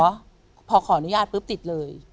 ก็เลยขอพอขอนุญาตปุ๊บติดเลย